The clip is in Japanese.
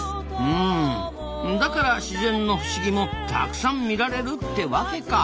うんだから自然の不思議もたくさん見られるってわけか。